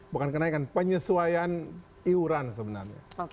bukan kenaikan penyesuaian iuran sebenarnya